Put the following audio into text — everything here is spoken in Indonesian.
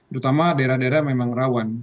terutama daerah daerah memang rawan